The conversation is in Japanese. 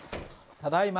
ただいま。